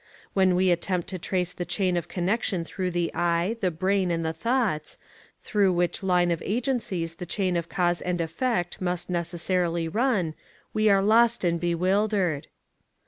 When we attempt to trace the chain of connection through the eye, the brain, and the thoughts through which line of agencies the chain of cause and effect must necessarily run we are lost and bewildered.